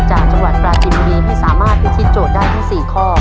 จากจังหวัดประชิมวิทย์สามารถพิธีโจทย์ได้ที่๔ข้อ